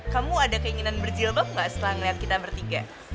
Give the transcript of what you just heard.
kamu ada keinginan berjilbab gak setelah melihat kita bertiga